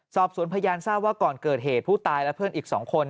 สอบสวนพยานทราบว่าก่อนเกิดเหตุผู้ตายและเพื่อนอีก๒คน